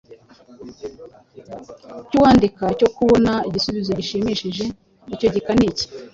cyuwandika cyo kubona igisubizo gishimishije. Icyo gika ni iki: